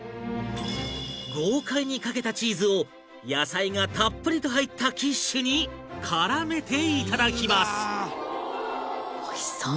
豪快にかけたチーズを野菜がたっぷりと入ったキッシュに絡めていただきます